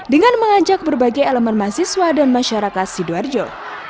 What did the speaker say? dengan mengajak berbagai elemen mahasiswa dan masyarakat sidoarjo